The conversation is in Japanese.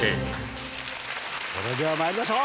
それでは参りましょう！